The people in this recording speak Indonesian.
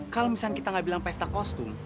kalau misalnya kita nggak bilang pesta kostum